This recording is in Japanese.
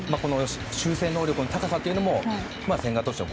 修正能力の高さというのも千賀投手の